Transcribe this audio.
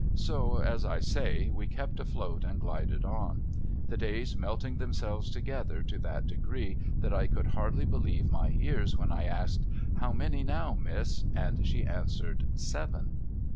So, as I say, we kept afloat and glided on. The days melting themselves together to that degree, that I could hardly believe my ears when 1 asked ' How many, now. Miss?' and she answered 'Seven.'